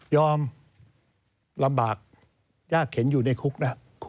ลำบากยากเข็นอยู่ในคุกนะ